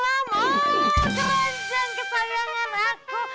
oh keranjang kesayangan aku